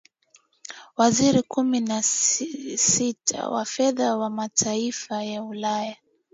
waziri kumi na sita wafedha wa mataifay ya ulaya